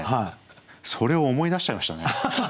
それを思い出しちゃいましたね。